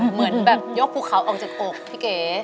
เหมือนแบบยกภูเขาออกจากอกพี่เก๋